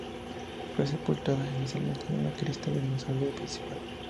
Fue sepultada inicialmente en una cripta del mausoleo principal.